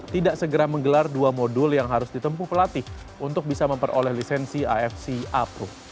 tidak segera menggelar dua modul yang harus ditempuh pelatih untuk bisa memperoleh lisensi afc a pro